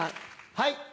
はい。